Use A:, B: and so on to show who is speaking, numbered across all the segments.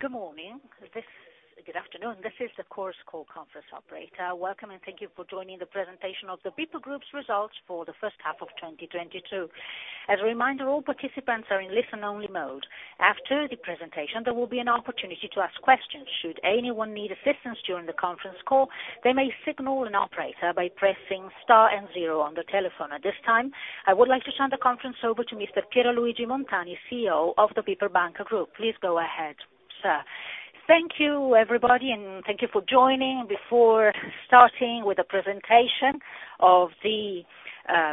A: Good afternoon. This is the Chorus Call Conference Operator. Welcome, and thank you for joining the presentation of the BPER Group's results for the first half of 2022. As a reminder, all participants are in listen-only mode. After the presentation, there will be an opportunity to ask questions. Should anyone need assistance during the conference call, they may signal an operator by pressing star and zero on the telephone. At this time, I would like to turn the conference over to Mr. Piero Luigi Montani, CEO of the BPER Group. Please go ahead, sir. Thank you, everybody, and thank you for joining. Before starting with the presentation of the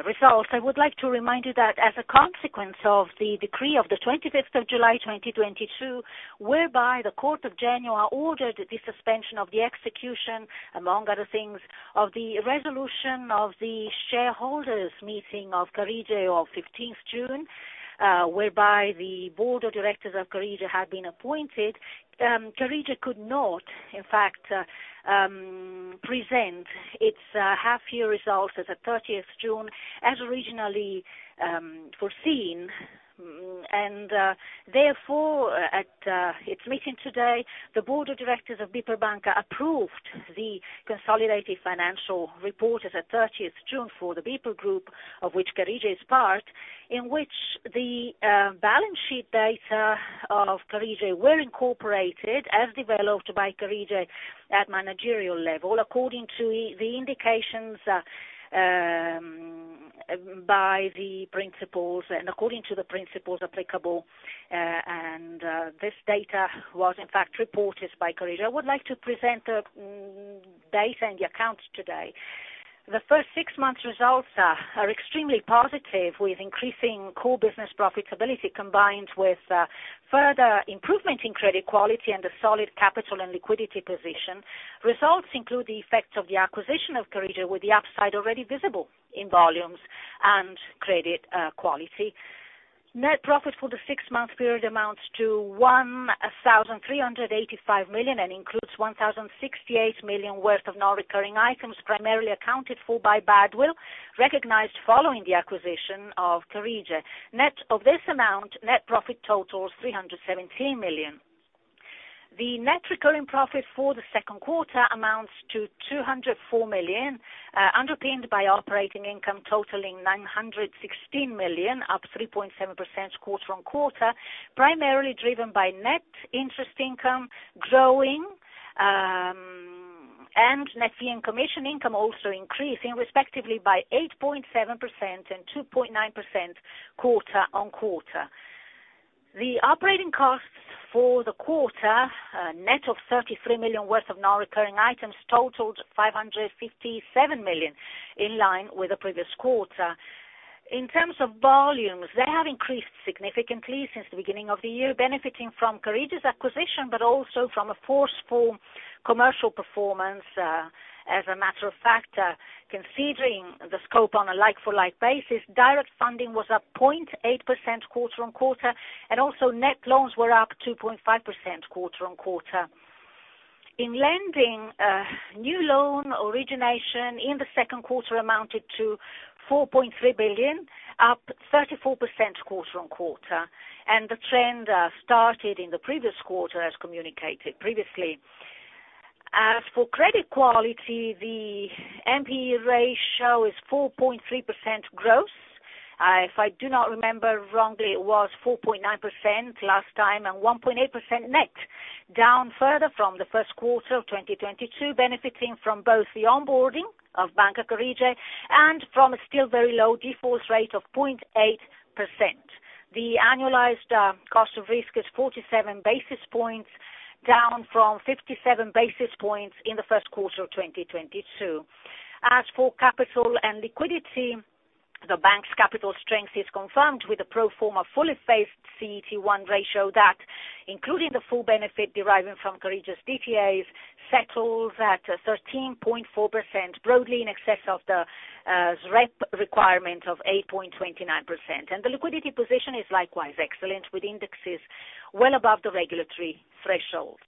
A: results, I would like to remind you that as a consequence of the decree of the 25th of July 2022, whereby the Court of Genoa ordered the suspension of the execution, among other things, of the resolution of the shareholders meeting of Carige on 15th June, whereby the board of directors of Carige had been appointed, Carige could not, in fact, present its half-year results as at 30th June as originally foreseen. Therefore, at its meeting today, the board of directors of BPER Banca approved the consolidated financial report as at 30th June for the BPER Group, of which Carige is part, in which the balance sheet data of Carige were incorporated as developed by Carige at managerial level, according to the indications by the principals and according to the principles applicable, and this data was in fact reported by Carige. I would like to present the data and the accounts today. The first six months results are extremely positive, with increasing core business profitability combined with further improvement in credit quality and a solid capital and liquidity position. Results include the effects of the acquisition of Carige, with the upside already visible in volumes and credit quality. Net profit for the six-month period amounts to 1,385 million and includes 1,068 million worth of non-recurring items, primarily accounted for by goodwill, recognized following the acquisition of Carige. Net of this amount, net profit totals 317 million. The net recurring profit for the second quarter amounts to 204 million, underpinned by operating income totaling 916 million, up 3.7% quarter-on-quarter, primarily driven by net interest income growing, and net fee and commission income also increasing, respectively by 8.7% and 2.9% quarter-on-quarter. The operating costs for the quarter, net of 33 million worth of non-recurring items totaled 557 million, in line with the previous quarter. In terms of volumes, they have increased significantly since the beginning of the year, benefiting from Carige's acquisition, but also from a forceful commercial performance. As a matter of fact, considering the scope on a like-for-like basis, direct funding was up 0.8% quarter-on-quarter, and also net loans were up 2.5% quarter-on-quarter. In lending, new loan origination in the second quarter amounted to 4.3 billion, up 34% quarter-on-quarter, and the trend started in the previous quarter, as communicated previously. As for credit quality, the NPE ratio is 4.3% gross. If I do not remember wrongly, it was 4.9% last time and 1.8% net, down further from the first quarter of 2022, benefiting from both the onboarding of Banca Carige and from a still very low default rate of 0.8%. The annualized cost of risk is 47 basis points, down from 57 basis points in the first quarter of 2022. As for capital and liquidity, the bank's capital strength is confirmed with a pro forma fully phased CET1 ratio that, including the full benefit deriving from Carige's DTAs, settles at 13.4%, broadly in excess of the SREP requirement of 8.29%. The liquidity position is likewise excellent, with indexes well above the regulatory thresholds.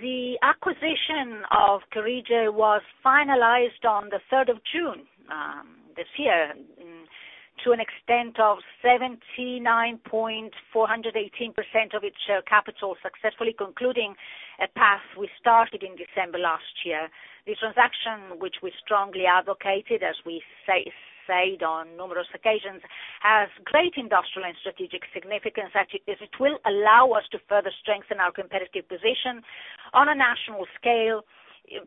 A: The acquisition of Carige was finalized on the third of June this year to an extent of 79.418% of its capital, successfully concluding a path we started in December last year. The transaction, which we strongly advocated, as we said on numerous occasions, has great industrial and strategic significance as it will allow us to further strengthen our competitive position on a national scale,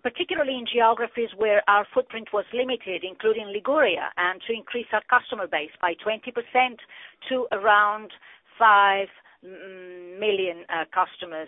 A: particularly in geographies where our footprint was limited, including Liguria, and to increase our customer base by 20% to around five million customers.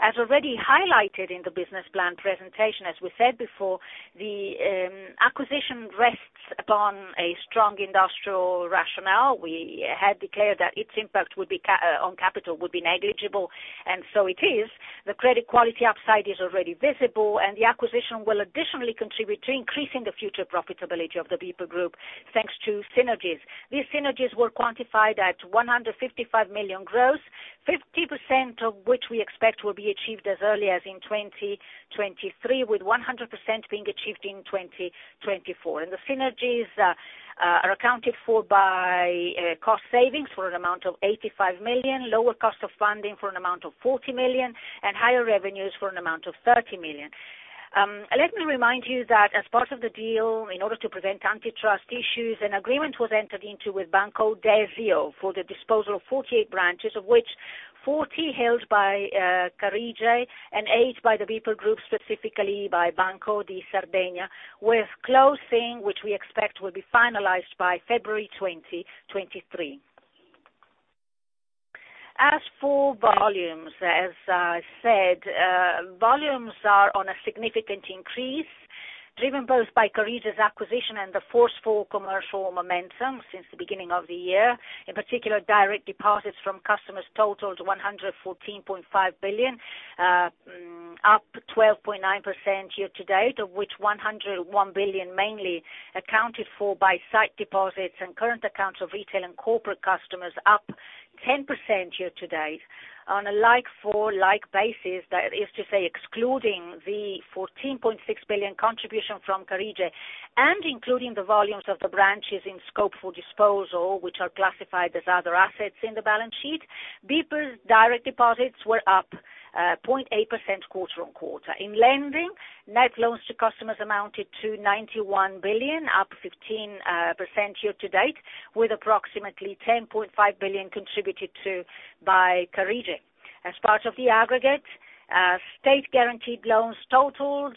A: As already highlighted in the business plan presentation, as we said before, the acquisition rests upon a strong industrial rationale. We had declared that its impact on capital would be negligible, and so it is. The credit quality upside is already visible, and the acquisition will additionally contribute to increasing the future profitability of the BPER Group, thanks to synergies. These synergies were quantified at 155 million gross. 50% of which we expect will be achieved as early as in 2023, with 100% being achieved in 2024. The synergies are accounted for by cost savings for an amount of 85 million, lower cost of funding for an amount of 40 million, and higher revenues for an amount of 30 million. Let me remind you that as part of the deal, in order to prevent antitrust issues, an agreement was entered into with Banco Desio for the disposal of 48 branches, of which 40 held by Carige and 8 by the BPER Group, specifically by Banco di Sardegna, with closing, which we expect will be finalized by February 2023. As for volumes, as I said, volumes are on a significant increase, driven both by Carige's acquisition and the forceful commercial momentum since the beginning of the year. In particular, direct deposits from customers totaled 114.5 billion, up 12.9% year to date, of which 101 billion mainly accounted for by sight deposits and current accounts of retail and corporate customers up 10% year to date. On a like-for-like basis, that is to say, excluding the 14.6 billion contribution from Carige, and including the volumes of the branches in scope for disposal, which are classified as other assets in the balance sheet, BPER's direct deposits were up 0.8% quarter-on-quarter. In lending, net loans to customers amounted to 91 billion, up 15% year to date, with approximately 10.5 billion contributed by Carige. As part of the aggregate, state-guaranteed loans totaled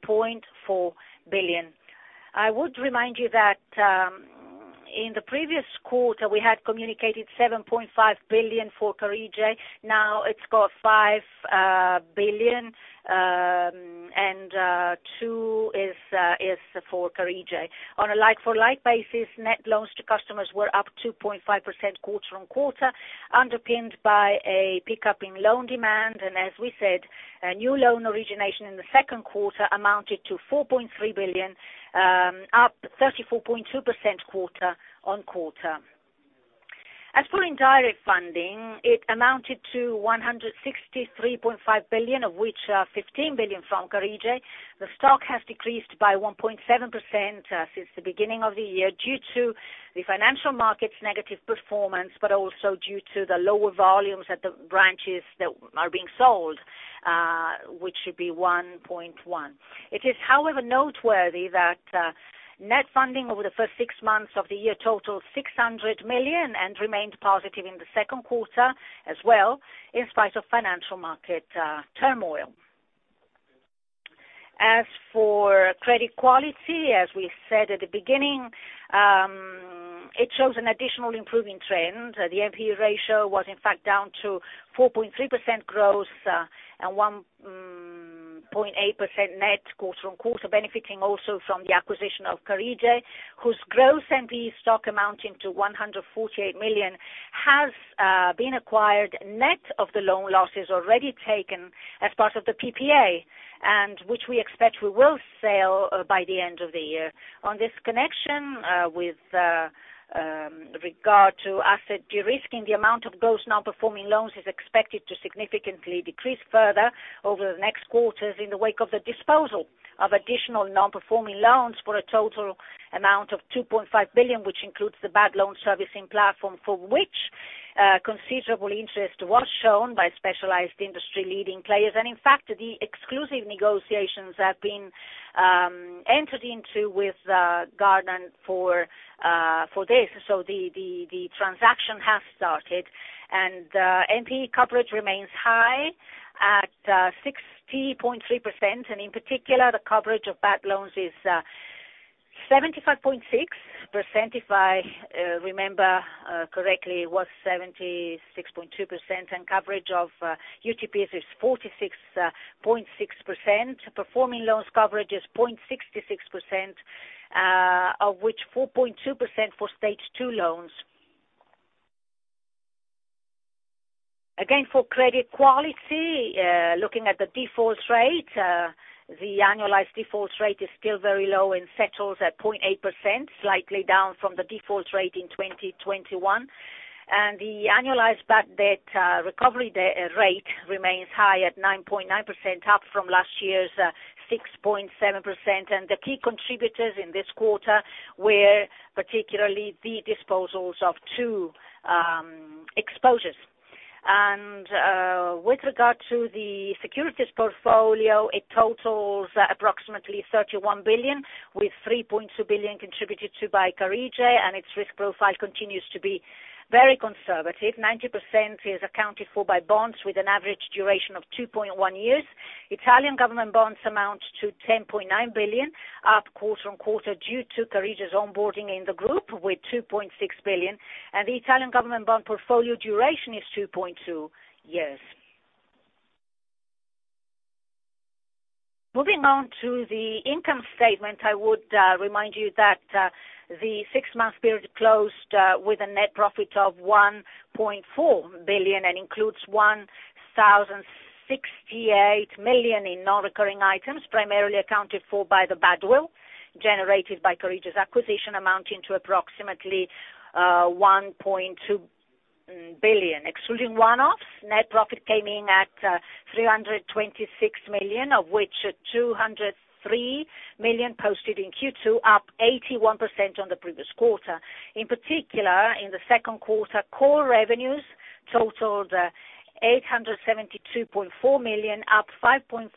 A: 8.4 billion. I would remind you that, in the previous quarter, we had communicated 7.5 billion for Carige. Now it's got 5 billion and 2 billion is for Carige. On a like-for-like basis, net loans to customers were up 2.5% quarter-on-quarter, underpinned by a pickup in loan demand. As we said, a new loan origination in the second quarter amounted to 4.3 billion, up 34.2% quarter-on-quarter. As for indirect funding, it amounted to 163.5 billion, of which 15 billion from Carige. The stock has decreased by 1.7% since the beginning of the year due to the financial market's negative performance, but also due to the lower volumes at the branches that are being sold, which should be 1.1 billion. It is, however, noteworthy that net funding over the first six months of the year totaled 600 million and remained positive in the second quarter as well, in spite of financial market turmoil. As for credit quality, as we said at the beginning, it shows an additional improving trend. The NPE ratio was in fact down to 4.3% gross and 1.8% net quarter on quarter, benefiting also from the acquisition of Carige, whose gross NPE stock amounting to 148 million has been acquired net of the loan losses already taken as part of the PPA, and which we expect we will sell by the end of the year. On this connection, with regard to asset de-risking, the amount of gross non-performing loans is expected to significantly decrease further over the next quarters in the wake of the disposal of additional non-performing loans for a total amount of 2.5 billion, which includes the bad loans servicing platform for which considerable interest was shown by specialized industry leading players. In fact, the exclusive negotiations have been entered into with Gardant for this. The transaction has started, and NPE coverage remains high at 60.3%. In particular, the coverage of bad loans is 75.6%, if I remember correctly, it was 76.2%, and coverage of UTPs is 46.6%. Performing loans coverage is 0.66%, of which 4.2% for Stage 2 loans. Again, for credit quality, looking at the default rate, the annualized default rate is still very low and settles at 0.8%, slightly down from the default rate in 2021. The annualized bad debt recovery rate remains high at 9.9%, up from last year's 6.7%. The key contributors in this quarter were particularly the disposals of two exposures. With regard to the securities portfolio, it totals approximately 31 billion, with 3.2 billion contributed to by Carige, and its risk profile continues to be very conservative. 90% is accounted for by bonds with an average duration of 2.1 years. Italian government bonds amount to 10.9 billion, up quarter-on-quarter due to Carige's onboarding in the group with 2.6 billion, and the Italian government bond portfolio duration is 2.2 years. Moving on to the income statement, I would remind you that the six-month period closed with a net profit of 1.4 billion and includes 1,068 million in non-recurring items, primarily accounted for by the badwill generated by Carige's acquisition amounting to approximately 1.2 billion. Excluding one-offs, net profit came in at 326 million, of which 203 million posted in Q2, up 81% on the previous quarter. In particular, in the second quarter, core revenues totaled 872.4 million, up 5.5%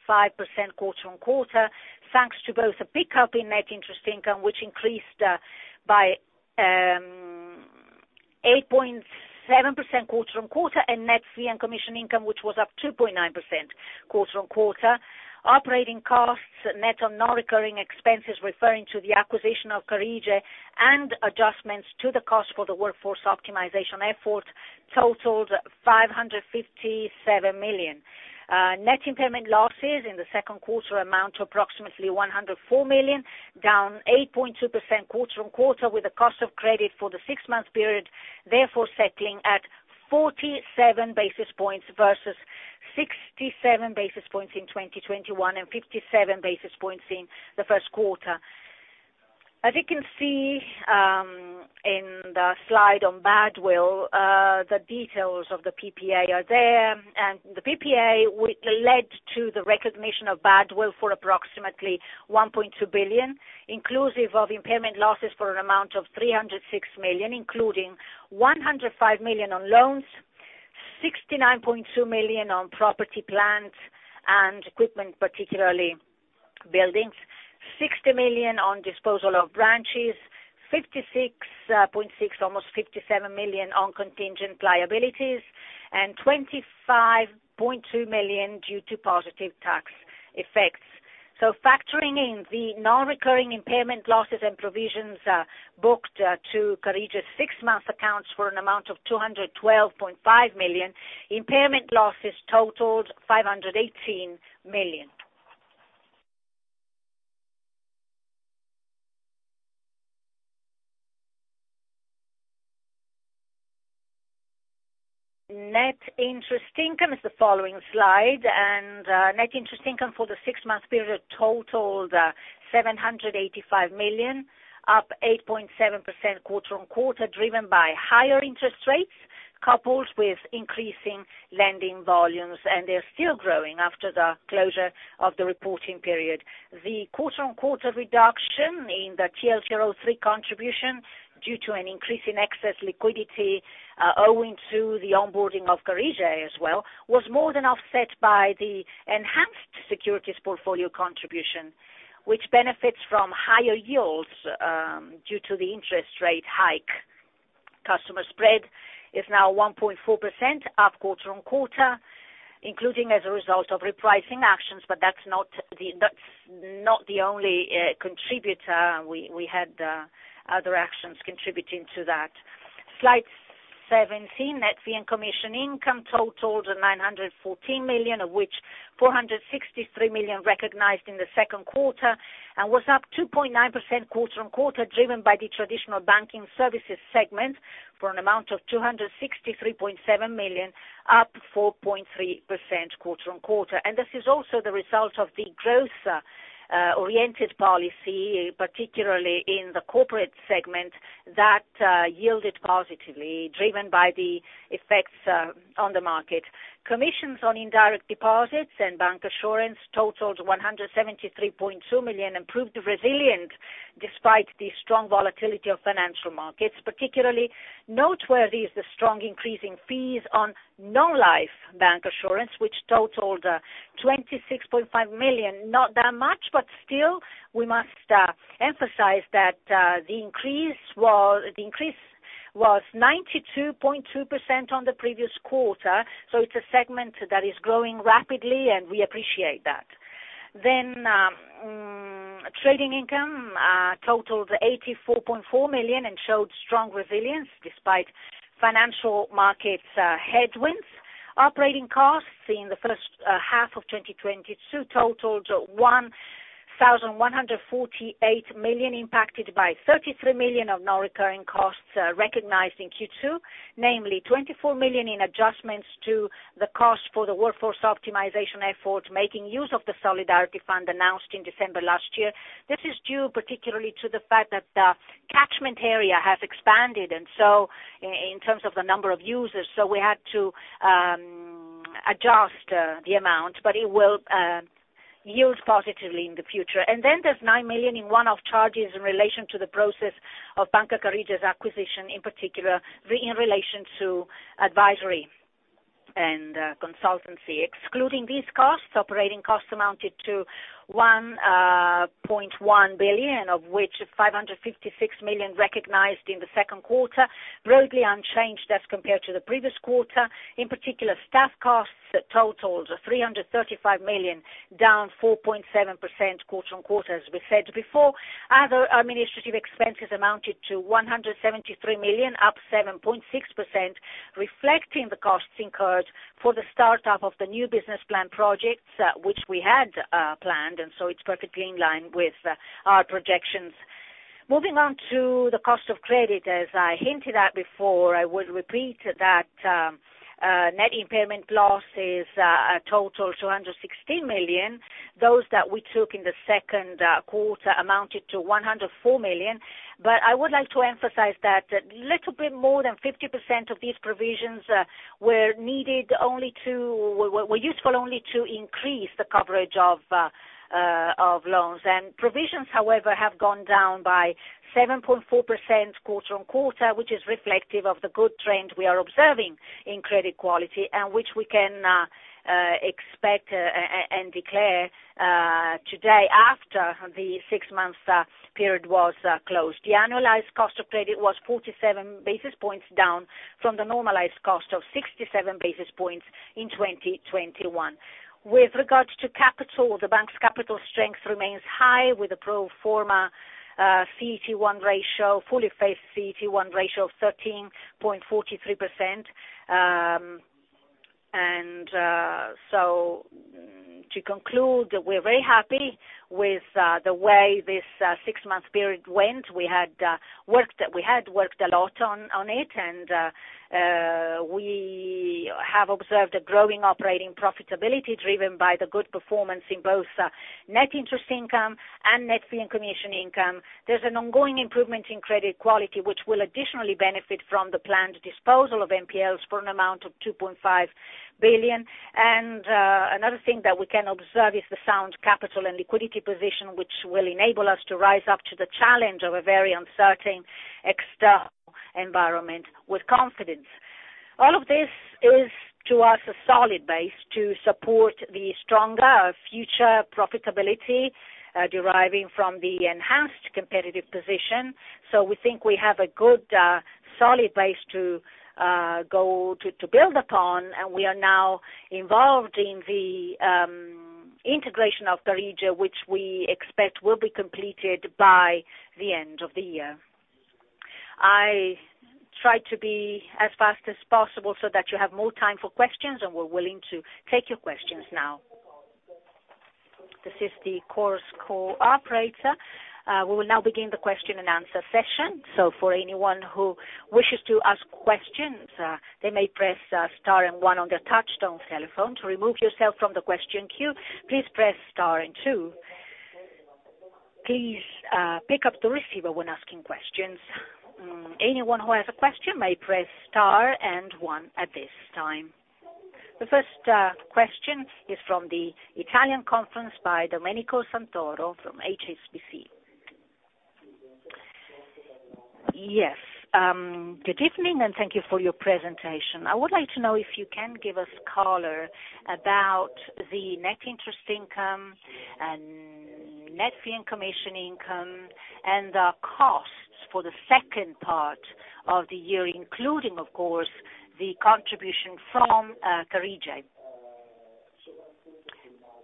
A: quarter-on-quarter, thanks to both a pick-up in net interest income, which increased by 8.7% quarter-on-quarter, and net fee and commission income, which was up 2.9% quarter-on-quarter. Operating costs net of non-recurring expenses, referring to the acquisition of Carige and adjustments to the cost for the workforce optimization effort totaled 557 million. Net impairment losses in the second quarter amount to approximately 104 million, down 8.2% quarter-on-quarter, with the cost of credit for the six-month period therefore settling at 47 basis points versus 67 basis points in 2021 and 57 basis points in the first quarter. As you can see, in the slide on badwill, the details of the PPA are there, and the PPA which led to the recognition of badwill for approximately 1.2 billion, inclusive of impairment losses for an amount of 306 million, including 105 million on loans, 69.2 million on property, plant and equipment, particularly buildings, 60 million on disposal of branches, 56.6 million, almost 57 million on contingent liabilities, and 25.2 million due to positive tax effects. Factoring in the non-recurring impairment losses and provisions booked to Carige's six-month accounts for an amount of 212.5 million, impairment losses totaled 518 million. Net interest income is on the following slide, net interest income for the six-month period totaled 785 million, up 8.7% quarter-on-quarter, driven by higher interest rates coupled with increasing lending volumes, and they are still growing after the closure of the reporting period. The quarter-on-quarter reduction in the TLTRO III contribution due to an increase in excess liquidity, owing to the onboarding of Carige as well, was more than offset by the enhanced securities portfolio contribution, which benefits from higher yields, due to the interest rate hike. Customer spread is now 1.4% up quarter-on-quarter, including as a result of repricing actions, but that's not the only contributor. We had other actions contributing to that. Slide 17, net fee and commission income totaled 914 million, of which 463 million recognized in the second quarter and was up 2.9% quarter-on-quarter, driven by the traditional banking services segment for an amount of 263.7 million, up 4.3% quarter-on-quarter. This is also the result of the growth-oriented policy, particularly in the corporate segment that yielded positively, driven by the effects on the market. Commissions on indirect deposits and bancassurance totaled 173.2 million, and proved resilient despite the strong volatility of financial markets. Particularly noteworthy is the strong increase in fees on non-life bancassurance, which totaled 26.5 million. Not that much, but still, we must emphasize that the increase was 92.2% on the previous quarter. It's a segment that is growing rapidly and we appreciate that. Trading income totaled 84.4 million and showed strong resilience despite financial markets headwinds. Operating costs in the first half of 2022 totaled 1,148 million, impacted by 33 million of non-recurring costs recognized in Q2, namely 24 million in adjustments to the cost for the workforce optimization effort, making use of the solidarity fund announced in December last year. This is due particularly to the fact that the catchment area has expanded, in terms of the number of users, so we had to adjust the amount, but it will yield positively in the future. There's 9 million in one-off charges in relation to the process of Banca Carige's acquisition, in particular, in relation to advisory and consultancy. Excluding these costs, operating costs amounted to 1.1 billion, of which 556 million recognized in the second quarter, broadly unchanged as compared to the previous quarter. In particular, staff costs totaled 335 million, down 4.7% quarter-on-quarter as we said before. Other administrative expenses amounted to 173 million, up 7.6%, reflecting the costs incurred for the start-up of the new business plan projects, which we had planned, and so it's perfectly in line with our projections. Moving on to the cost of credit. As I hinted at before, I would repeat that net impairment losses total 216 million. Those that we took in the second quarter amounted to 104 million. I would like to emphasize that a little bit more than 50% of these provisions were useful only to increase the coverage of loans. Provisions, however, have gone down by 7.4% quarter-on-quarter, which is reflective of the good trend we are observing in credit quality and which we can expect and declare today after the six months period was closed. The annualized cost of credit was 47 basis points down from the normalized cost of 67 basis points in 2021. With regards to capital, the bank's capital strength remains high, with a pro forma CET1 ratio, fully phased CET1 ratio of 13.43%. To conclude, we're very happy with the way this six-month period went. We had worked a lot on it and we have observed a growing operating profitability driven by the good performance in both net interest income and net fee and commission income. There's an ongoing improvement in credit quality, which will additionally benefit from the planned disposal of NPLs for an amount of 2.5 billion. Another thing that we can observe is the sound capital and liquidity position, which will enable us to rise up to the challenge of a very uncertain external environment with confidence. All of this is, to us, a solid base to support the stronger future profitability deriving from the enhanced competitive position. We think we have a good solid base to go to build upon, and we are now involved in the integration of Carige, which we expect will be completed by the end of the year. I tried to be as fast as possible so that you have more time for questions, and we're willing to take your questions now. This is the Chorus Call operator. We will now begin the question-and-answer session. For anyone who wishes to ask questions, they may press star and one on their touchtone telephone. To remove yourself from the question queue, please press star and two. Please pick up the receiver when asking questions. Anyone who has a question may press star and one at this time. The first question is from the line of Domenico Santoro from HSBC. Yes, good evening and thank you for your presentation. I would like to know if you can give us color about the net interest income and net fee and commission income and the costs for the second part of the year, including, of course, the contribution from Carige.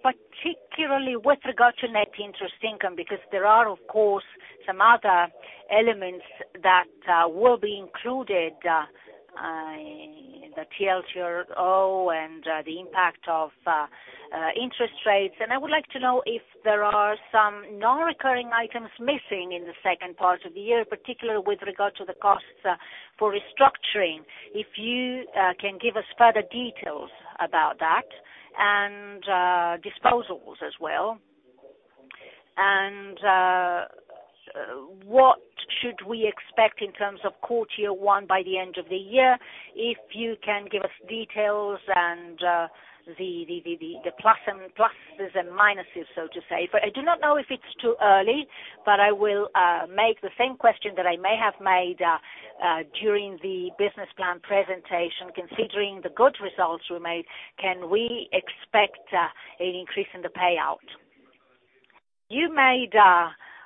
A: Particularly with regard to net interest income, because there are, of course, some other elements that will be included, the TLTRO and the impact of interest rates. I would like to know if there are some non-recurring items missing in the second part of the year, particularly with regard to the costs for restructuring. If you can give us further details about that and disposals as well. What should we expect in terms of core tier one by the end of the year, if you can give us details and the pluses and minuses, so to say. I do not know if it's too early, but I will make the same question that I may have made during the business plan presentation, considering the good results we made, can we expect an increase in the payout? You made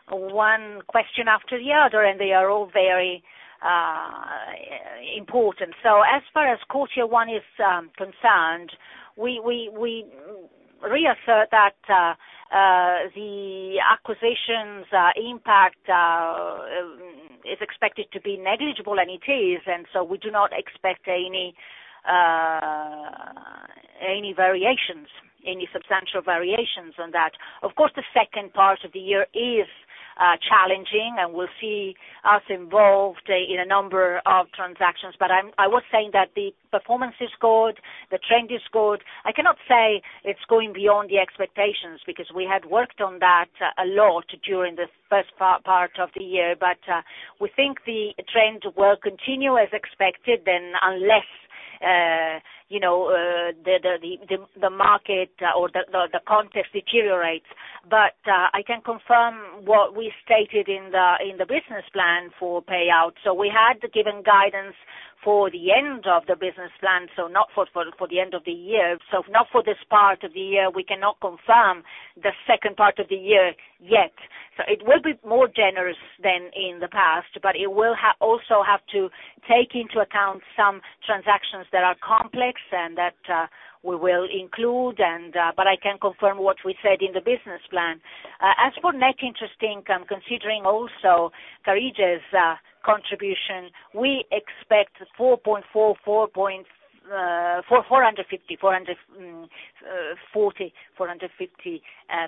A: one question after the other, and they are all very important. As far as core tier one is concerned, we reassert that the acquisition's impact is expected to be negligible, and it is. We do not expect any variations, any substantial variations on that. Of course, the second part of the year is challenging, and will see us involved in a number of transactions. I was saying that the performance is good, the trend is good. I cannot say it's going beyond the expectations because we had worked on that a lot during the first part of the year. We think the trend will continue as expected, then unless you know, the market or the context deteriorates. I can confirm what we stated in the business plan for payout. We had given guidance for the end of the business plan, so not for the end of the year. Not for this part of the year, we cannot confirm the second part of the year yet. It will be more generous than in the past, but it will also have to take into account some transactions that are complex and that we will include, but I can confirm what we said in the business plan. As for net interest income, considering also Carige's contribution, we expect 450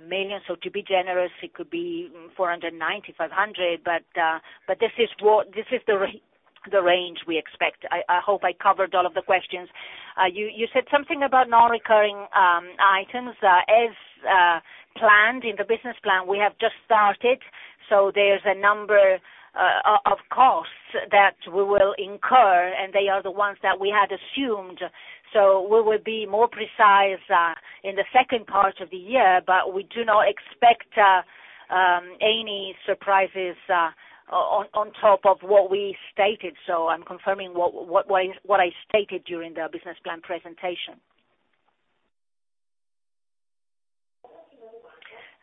A: million. To be generous, it could be 490 million, 500 million. This is the range we expect. I hope I covered all of the questions. You said something about non-recurring items. As planned in the business plan, we have just started, so there's a number of costs that we will incur, and they are the ones that we had assumed. We will be more precise in the second part of the year, but we do not expect any surprises on top of what we stated. I'm confirming what I stated during the business plan presentation.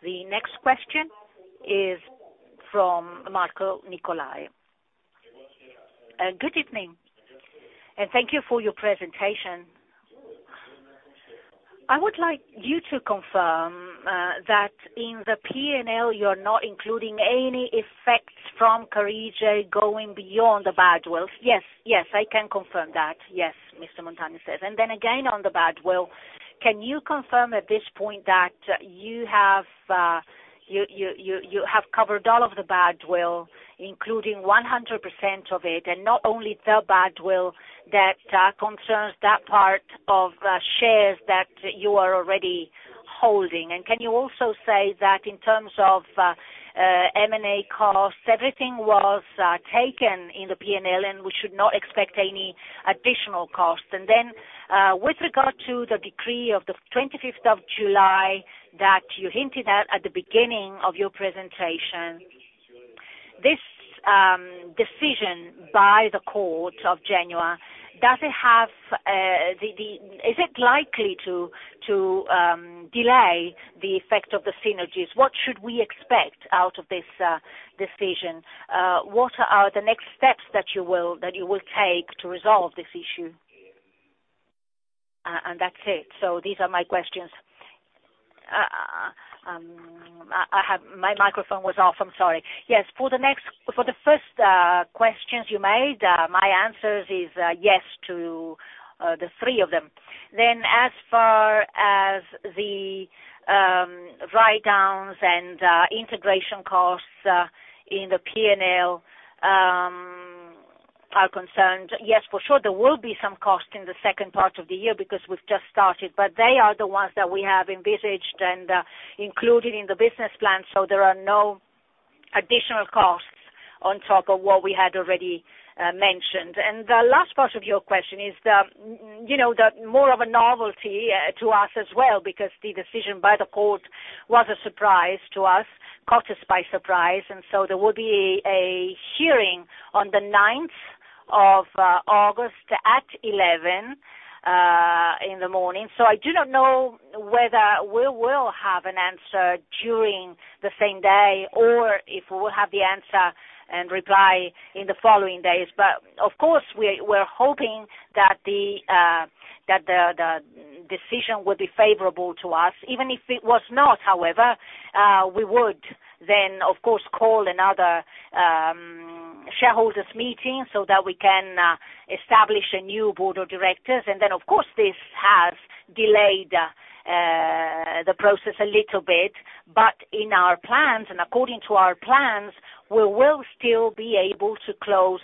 A: The next question is from Marco Nicolai. Good evening, and thank you for your presentation. I would like you to confirm that in the P&L, you're not including any effects from Carige going beyond the badwill. Yes, I can confirm that. Yes, Mr. Montani says. On the badwill, can you confirm at this point that you have covered all of the badwill, including 100% of it, and not only the badwill that concerns that part of the shares that you are already holding? Can you also say that in terms of M&A costs, everything was taken in the P&L, and we should not expect any additional costs? With regard to the decree of the 25th of July that you hinted at at the beginning of your presentation, this decision by the Court of Genoa, is it likely to delay the effect of the synergies? What should we expect out of this decision? What are the next steps that you will take to resolve this issue? That's it. These are my questions. My microphone was off, I'm sorry. Yes, for the first questions you made, my answer is yes to the three of them. As far as the write-downs and integration costs in the P&L are concerned, yes, for sure, there will be some costs in the second part of the year because we've just started, but they are the ones that we have envisaged and included in the business plan, so there are no additional costs on top of what we had already mentioned. The last part of your question is the, you know, the more of a novelty to us as well, because the decision by the court was a surprise to us, caught us by surprise. There will be a hearing on the ninth of August at 11:00 A.M. I do not know whether we will have an answer during the same day or if we will have the answer and reply in the following days. Of course, we're hoping that the decision will be favorable to us. Even if it was not, however, we would then, of course, call another shareholders meeting so that we can establish a new board of directors. Of course, this has delayed the process a little bit. In our plans and according to our plans, we will still be able to close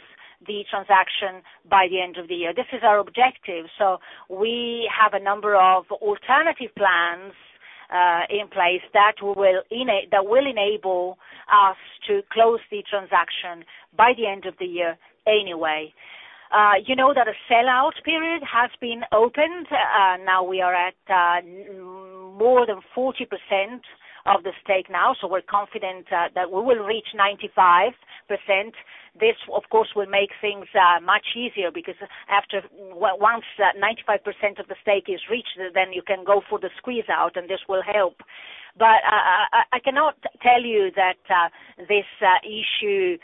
A: the transaction by the end of the year. This is our objective. We have a number of alternative plans in place that will enable us to close the transaction by the end of the year anyway. You know that a sell-out period has been opened. Now we are at more than 40% of the stake, so we're confident that we will reach 95%. This, of course, will make things much easier because once 95% of the stake is reached, then you can go for the squeeze out, and this will help. I cannot tell you that this issue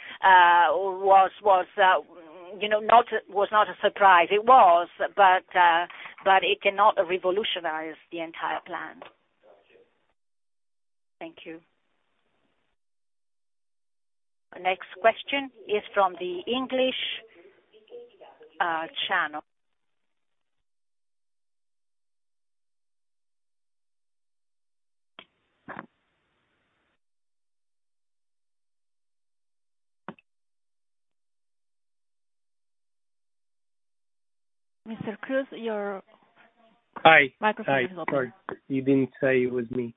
A: was not a surprise. It was, but it cannot revolutionize the entire plan. Thank you. Next question is from the English channel. Mr. Cruz, your-
B: Hi.
A: Microphone is open.
B: Hi. Sorry. You didn't say it was me.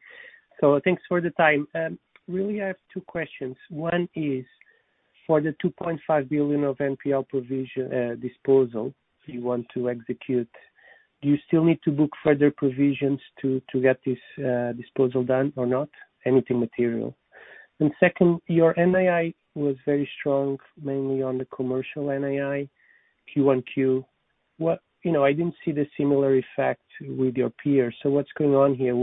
B: Thanks for the time. Really, I have two questions. One is, for the 2.5 billion of NPL provision disposal you want to execute, do you still need to book further provisions to get this disposal done or not, anything material? Second, your NII was very strong, mainly on the commercial NII, Q-and-Q. You know, I didn't see the similar effect with your peers. What's going on here?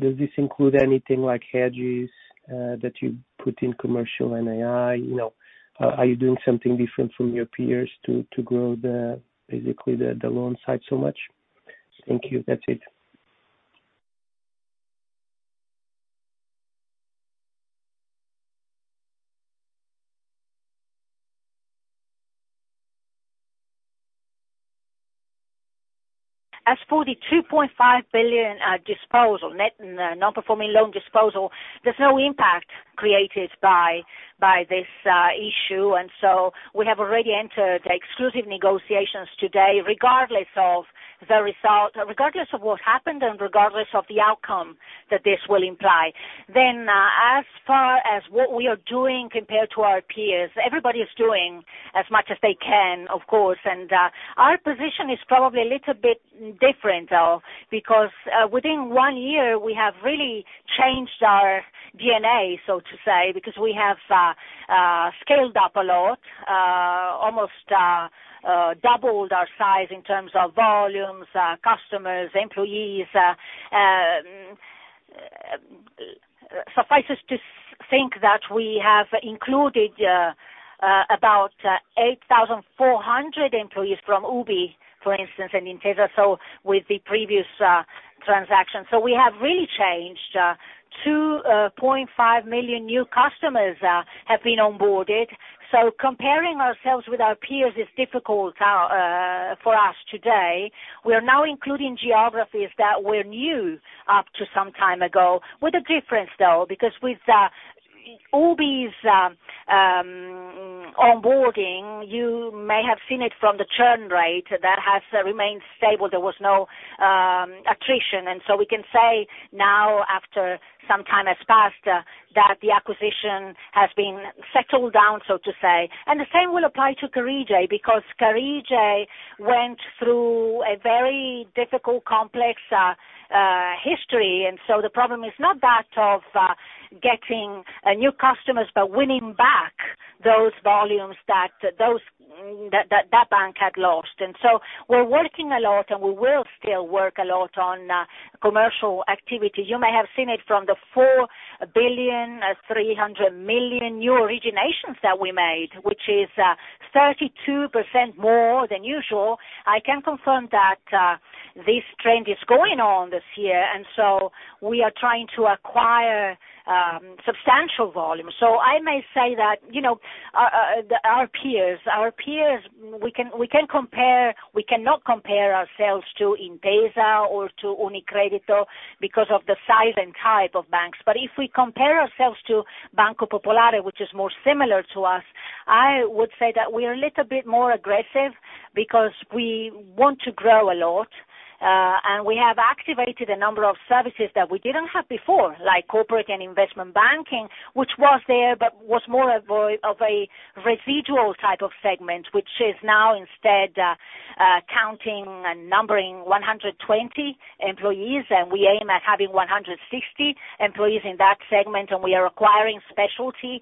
B: Does this include anything like hedges that you put in commercial NII? You know, are you doing something different from your peers to grow the loan side so much? Thank you. That's it.
A: As for the 2.5 billion disposal net nonperforming loan disposal, there's no impact created by this issue. We have already entered exclusive negotiations today, regardless of the result, regardless of what happened and regardless of the outcome that this will imply. As far as what we are doing compared to our peers, everybody is doing as much as they can, of course. Our position is probably a little bit different, though, because within one year, we have really changed our DNA, so to say, because we have scaled up a lot, almost doubled our size in terms of volumes, customers, employees. It suffices to think that we have included about 8,400 employees from UBI, for instance, and Intesa, so with the previous transaction. We have really gained 2.5 million new customers have been onboarded. Comparing ourselves with our peers is difficult for us today. We are now including geographies that were new up to some time ago. With a difference, though, because with UBI Banca's onboarding, you may have seen it from the churn rate that has remained stable. There was no attrition. We can say now after some time has passed that the acquisition has been settled down, so to say. The same will apply to Carige, because Carige went through a very difficult, complex history. The problem is not that of getting new customers, but winning back those volumes that those that bank had lost. We're working a lot, and we will still work a lot on commercial activity. You may have seen it from the 4.3 billion new originations that we made, which is 32% more than usual. I can confirm that this trend is going on this year, and so we are trying to acquire substantial volume. I may say that, you know, our peers, we cannot compare ourselves to Intesa or to UniCredit because of the size and type of banks. If we compare ourselves to Banco Popolare, which is more similar to us, I would say that we are a little bit more aggressive because we want to grow a lot, and we have activated a number of services that we didn't have before, like corporate and investment banking, which was there, but was more of a residual type of segment, which is now instead numbering 120 employees. We aim at having 160 employees in that segment, and we are acquiring specialty,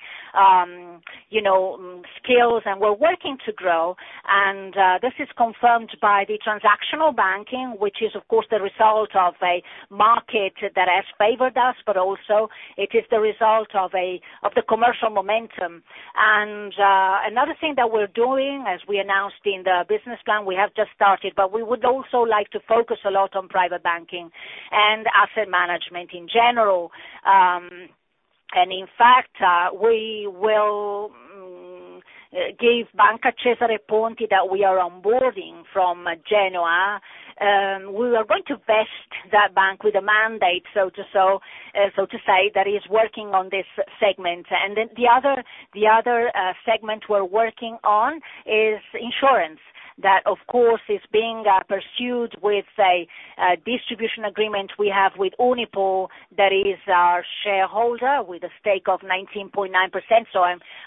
A: you know, skills, and we're working to grow. This is confirmed by the transactional banking, which is of course the result of a market that has favored us, but also it is the result of the commercial momentum. Another thing that we're doing, as we announced in the business plan, we have just started, but we would also like to focus a lot on private banking and asset management in general. In fact, we will give Banca Cesare Ponti that we are onboarding from Genoa, we are going to vest that bank with a mandate, so to say, that is working on this segment. The other segment we're working on is insurance. That, of course, is being pursued with a distribution agreement we have with Unipol that is our shareholder with a stake of 19.9%.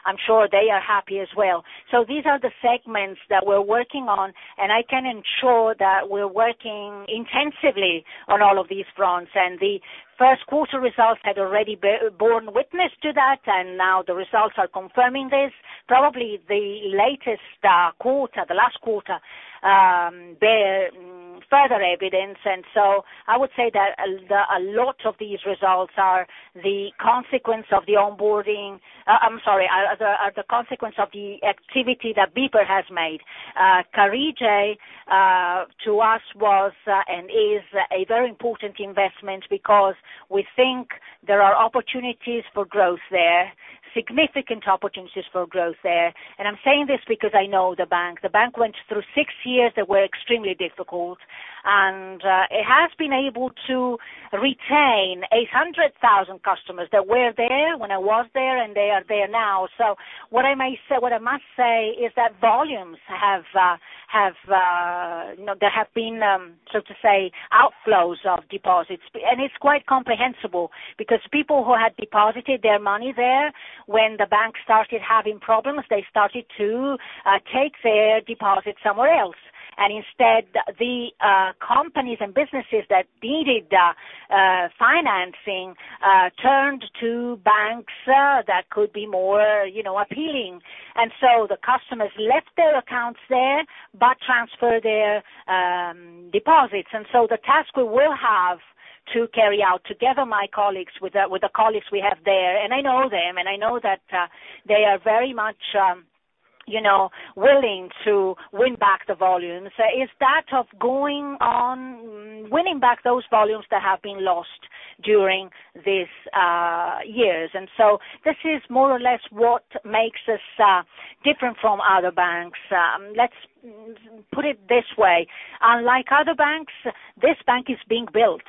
A: I'm sure they are happy as well. These are the segments that we're working on, and I can ensure that we're working intensively on all of these fronts. The first quarter results had already borne witness to that, and now the results are confirming this. Probably the latest quarter, the last quarter, bears further evidence. I would say that a lot of these results are the consequence of the activity that BPER has made. Carige to us was and is a very important investment because we think there are opportunities for growth there, significant opportunities for growth there. I'm saying this because I know the bank. The bank went through six years that were extremely difficult, and it has been able to retain 800,000 customers that were there when I was there, and they are there now. What I may say, what I must say is that volumes have you know there have been so to say outflows of deposits. It's quite comprehensible because people who had deposited their money there when the bank started having problems, they started to take their deposits somewhere else. Instead, the companies and businesses that needed financing turned to banks that could be more you know appealing. The customers left their accounts there, but transferred their deposits. The task we will have to carry out together with my colleagues, with the colleagues we have there, and I know them, and I know that they are very much, you know, willing to win back the volumes, is that of going on, winning back those volumes that have been lost. During these years. This is more or less what makes us different from other banks. Let's put it this way. Unlike other banks, this bank is being built.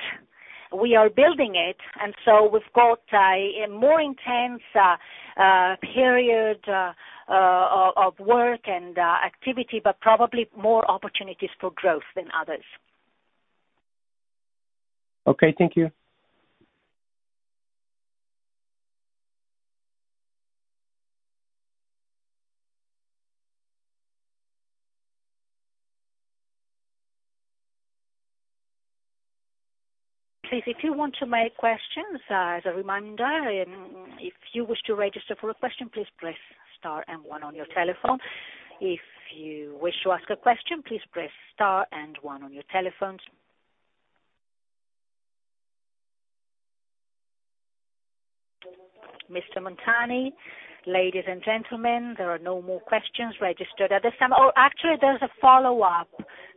A: We are building it, and so we've got a more intense period of work and activity, but probably more opportunities for growth than others.
B: Okay, thank you.
A: Please, if you want to make questions, as a reminder, if you wish to register for a question, please press star and one on your telephone. If you wish to ask a question, please press star and one on your telephones. Mr. Montani, ladies and gentlemen, there are no more questions registered at this time. Oh, actually, there's a follow-up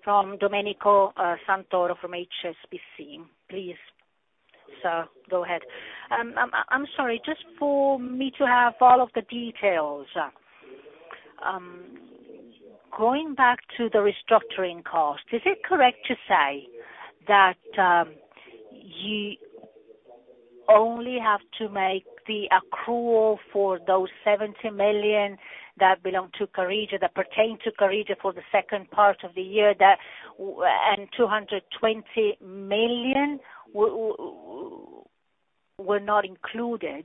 A: from Domenico Santoro from HSBC. Please. Go ahead. I'm sorry, just for me to have all of the details. Going back to the restructuring cost, is it correct to say that you only have to make the accrual for those 70 million that belong to Carige, that pertain to Carige for the second part of the year and 220 million were not included.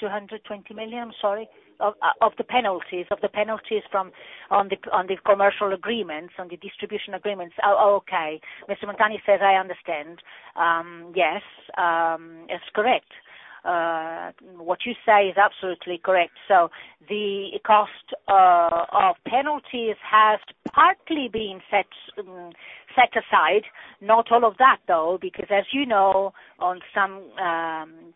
A: 220 million, I'm sorry. Of the penalties from the commercial agreements, on the distribution agreements. Oh, okay. Mr. Montani says, I understand. Yes, it's correct. What you say is absolutely correct. The cost of penalties has partly been set aside, not all of that, though, because as you know, with some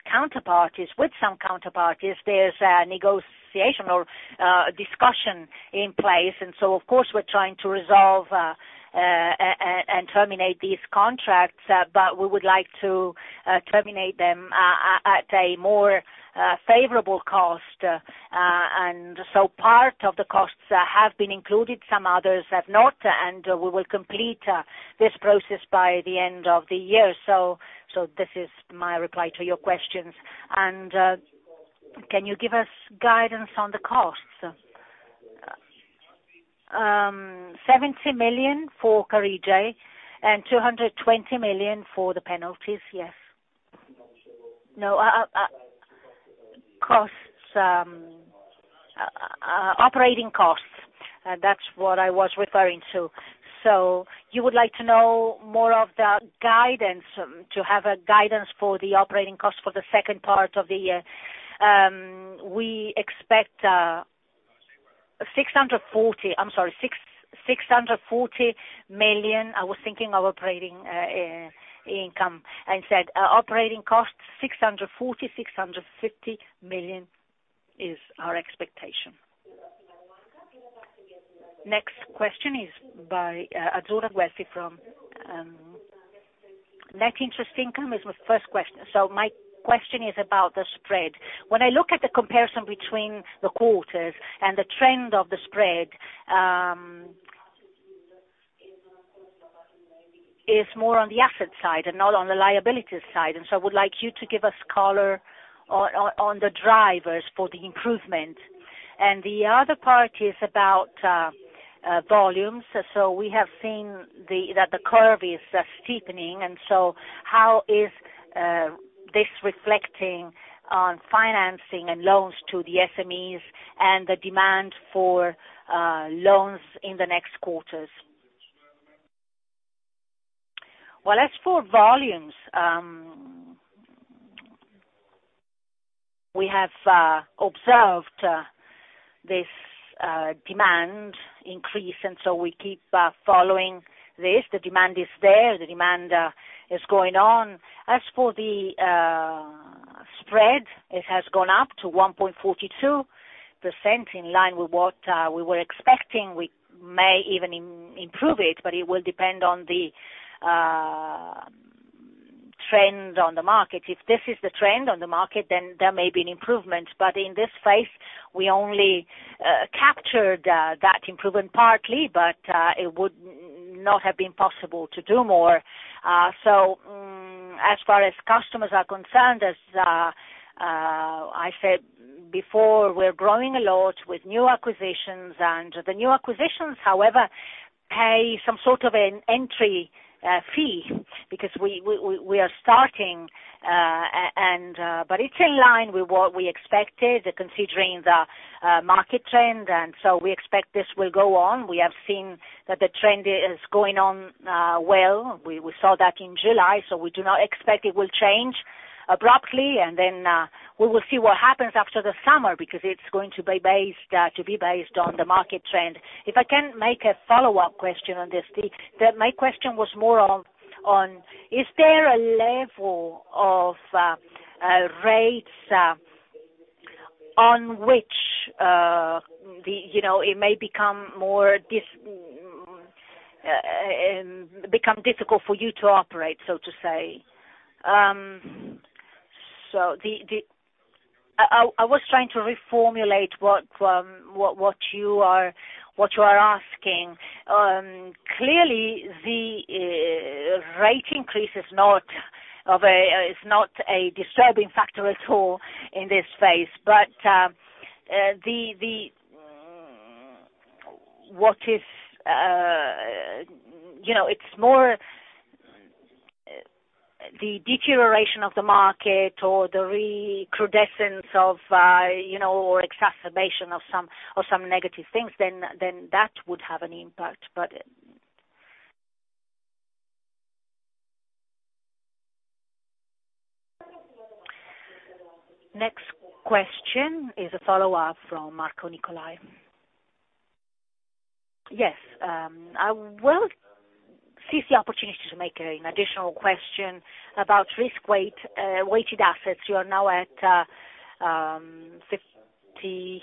A: counterparties, there's a negotiation or discussion in place. Of course, we're trying to resolve and terminate these contracts, but we would like to terminate them at a more favorable cost. Part of the costs have been included, some others have not. We will complete this process by the end of the year. This is my reply to your questions. Can you give us guidance on the costs? 70 million for Carige and 220 million for the penalties, yes. No, operating costs, that's what I was referring to. You would like to know more of the guidance, to have a guidance for the operating costs for the second part of the year. We expect 640, I'm sorry, 640 million. I was thinking of operating income, and said operating costs, 640-650 million is our expectation. Next question is by Adora Wesley from, net interest income is my first question. My question is about the spread. When I look at the comparison between the quarters and the trend of the spread, it's more on the asset side and not on the liability side. I would like you to give us color on the drivers for the improvement. The other part is about volumes. We have seen that the curve is steepening. How is this reflecting on financing and loans to the SMEs and the demand for loans in the next quarters? As for volumes, we have observed this demand increase, and we keep following this. The demand is there, the demand is going on. As for the spread, it has gone up to 1.42% in line with what we were expecting. We may even improve it, but it will depend on the trends on the market. If this is the trend on the market, there may be an improvement. In this phase, we only captured that improvement partly, but it would not have been possible to do more. As far as customers are concerned, as I said before, we're growing a lot with new acquisitions and the new acquisitions however pay some sort of an entry fee because we are starting. But it's in line with what we expected, considering the market trend, and so we expect this will go on. We have seen that the trend is going on well. We saw that in July, so we do not expect it will change abruptly. Then we will see what happens after the summer because it's going to be based to be based on the market trend. If I can make a follow-up question on this, the My question was more on is there a level of rates on which the you know it may become more difficult for you to operate, so to say. I was trying to reformulate what you are asking. Clearly the rate increase is not a disturbing factor at all in this phase, but you know, it's more the deterioration of the market or the recrudescence of you know, or exacerbation of some negative things, then that would have an impact, but. Next question is a follow-up from Marco Nicolai. Yes, I will seize the opportunity to make an additional question about risk-weighted assets. You are now at 58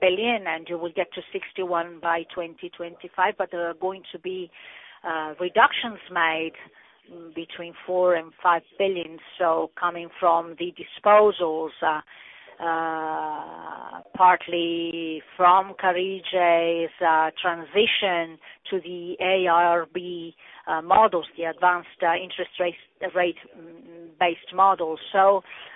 A: billion, and you will get to 61 billion by 2025, but there are going to be reductions made between 4 billion and 5 billion. Coming from the disposals, partly from Carige's transition to the AIRB models, the advanced interest rate based models.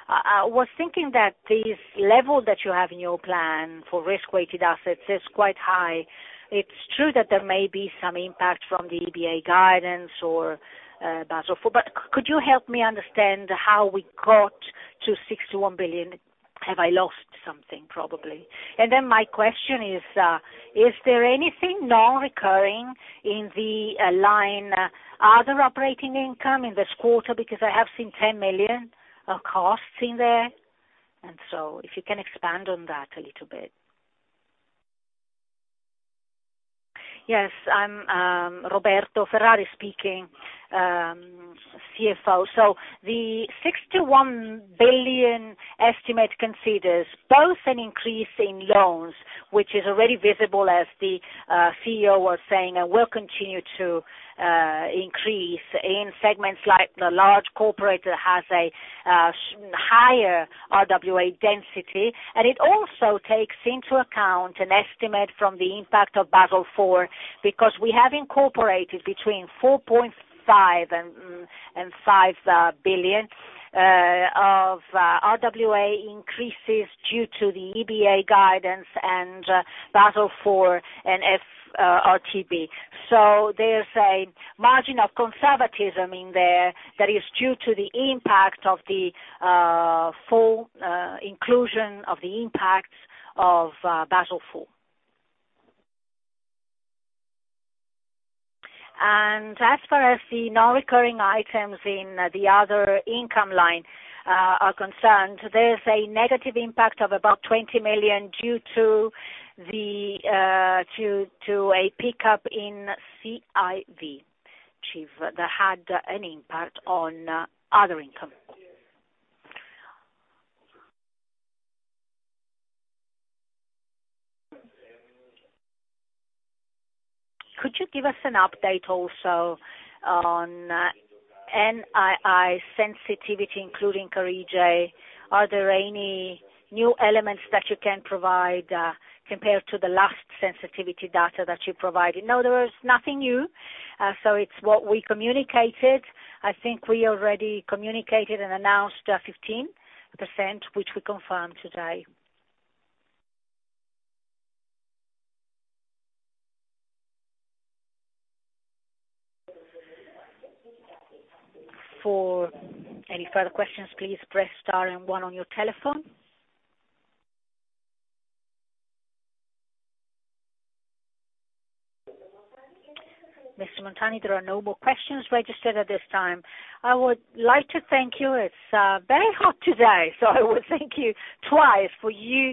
A: I was thinking that this level that you have in your plan for risk-weighted assets is quite high. It's true that there may be some impact from the EBA guidance or Basel IV, but could you help me understand how we got to 61 billion? Have I lost something, probably. My question is there anything non-recurring in the line other operating income in this quarter? Because I have seen 10 million of costs in there, and so if you can expand on that a little bit. Yes, I'm Roberto Ferrari speaking, CFO. The 61 billion estimate considers both an increase in loans, which is already visible as the CEO was saying, and will continue to increase in segments like the large corporate has a higher RWA density. It also takes into account an estimate from the impact of Basel IV, because we have incorporated between 4.5 billion and 5 billion of RWA increases due to the EBA guidance and Basel IV and FRTB. There's a margin of conservatism in there that is due to the impact of the full inclusion of the impacts of Basel IV. As far as the non-recurring items in the other income line are concerned, there's a negative impact of about 20 million due to a pickup in CIV which had an impact on other income. Could you give us an update also on NII sensitivity, including Carige? Are there any new elements that you can provide compared to the last sensitivity data that you provided? No, there is nothing new. So it's what we communicated. I think we already communicated and announced 15%, which we confirmed today. For any further questions, please press star and one on your telephone. Mr. Montani, there are no more questions registered at this time. I would like to thank you. It's very hot today, so I will thank you twice for you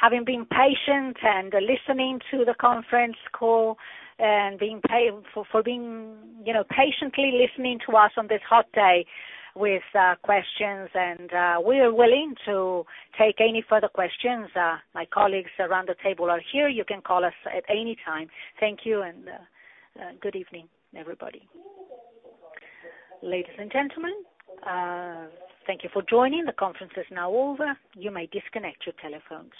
A: having been patient and listening to the conference call and being, you know, patiently listening to us on this hot day with questions. We are willing to take any further questions. My colleagues around the table are here. You can call us at any time. Thank you, and good evening, everybody. Ladies and gentlemen, thank you for joining. The conference is now over. You may disconnect your telephones.